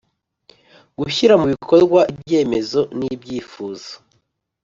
Gushyira mu bikorwa ibyemezo n ibyifuzo